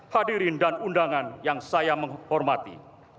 hadirin dan undangan yang saya menghormati